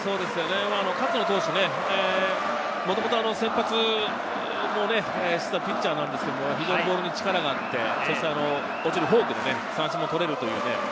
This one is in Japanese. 勝野投手、もともと先発もね、していたピッチャーなので、ボールに力があって、フォークで三振も取れる。